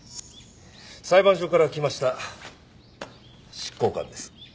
裁判所から来ました執行官です。